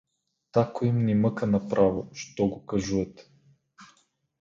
Тако им е нимъка нараво, що го кажует.